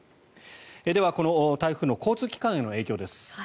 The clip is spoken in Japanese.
では、この台風の交通機関への影響です。